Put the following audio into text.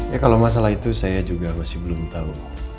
ya kalau masalah itu saya juga masih belum tahu